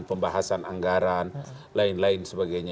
pembahasan anggaran lain lain sebagainya